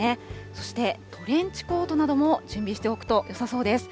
そして、トレンチコートなども準備しておくとよさそうですね。